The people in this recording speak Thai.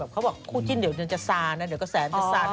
เขาบอกคู่จิ้นเดี๋ยวจะซานนะเดี๋ยวก็แสน